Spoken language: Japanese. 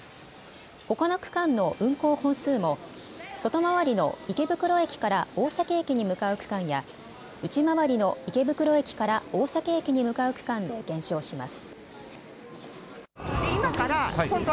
ほかの区間の運行本数も外回りの池袋駅から大崎駅に向かう区間や内回りの池袋駅から大崎駅に向かう区間で減少します。